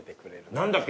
何だっけ？